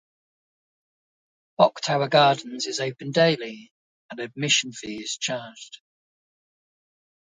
Bok Tower Gardens is open daily, and an admission fee is charged.